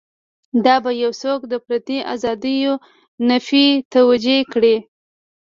دا به یو څوک د فردي ازادیو نفي توجیه کړي.